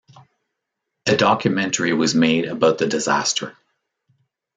A documentary was made about the disaster.